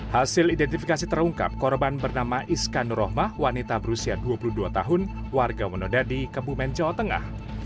hasil identifikasi terungkap korban bernama iska nurohmah wanita berusia dua puluh dua tahun warga menoda di kepumen jawa tengah